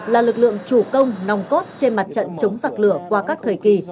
là lực lượng chủ công nòng cốt trên mặt trận chống giặc lửa qua các thời kỳ